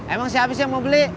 emang si habis yang mau beli